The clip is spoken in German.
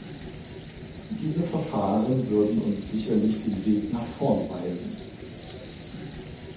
Diese Verfahren würden uns sicherlich den Weg nach vorn weisen.